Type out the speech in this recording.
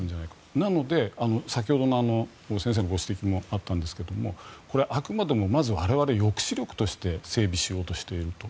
なので、先ほど先生のご指摘もあったんですがあくまでもまず我々抑止力として整備しようとしていると。